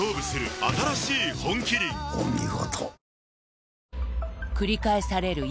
お見事。